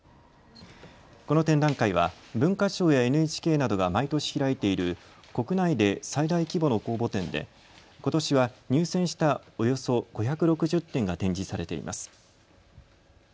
この展覧会は文化庁やＮＨＫなどが毎年開いている国内で最大規模の公募展でことしは入選したおよそ５６０点が展示されています。